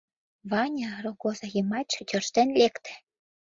Ваня рогоза йымачше тӧрштен лекте.